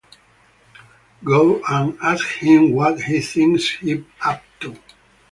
Go and ask him what he thinks he's up to.